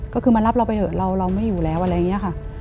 ก็คือมารับเราไปเถอะเราไม่อยู่แล้วอะไรอย่างนี้ค่ะ